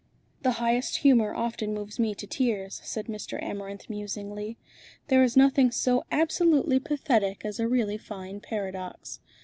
"The highest humour often moves me to tears," said Mr. Amarinth musingly. "There is nothing so absolutely pathetic as a really fine paradox.